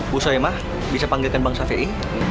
bu soema bisa panggilkan bang safei